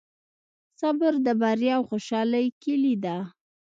صبر د بریا او خوشحالۍ کیلي ده.